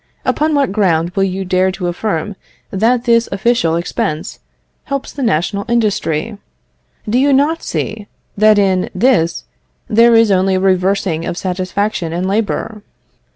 Upon what ground will you dare to affirm that this official expense helps the national industry? Do you not see, that in this there is only a reversing of satisfaction and labour?